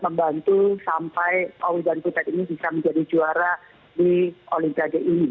membantu sampai owi dan butet ini bisa menjadi juara di olimpiade ini